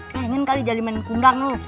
pengen kali jalimanin kundang lu